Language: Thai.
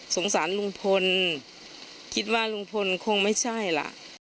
สารลุงพลคิดว่าลุงพลคงไม่ใช่ล่ะ